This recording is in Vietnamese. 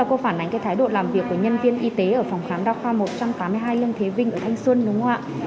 cô phản ánh cái thái độ làm việc của nhân viên y tế ở phòng khám đa khoa một trăm tám mươi hai lương thế vinh ở thanh xuân đúng không ạ